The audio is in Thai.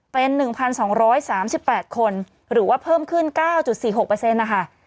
เป็นหนึ่งพันสองร้อยสามสิบแปดคนหรือว่าเพิ่มขึ้นเก้าจุดสี่หกเปอร์เซ็นต์นะคะ